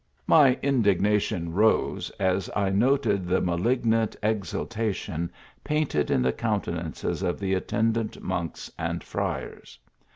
My indignaticn rose as I noted the malignant exultation painted in the countenances of the attendant monks and friars.